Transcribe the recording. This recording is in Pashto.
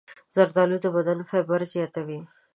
زردالو د بدن فایبر زیاتوي.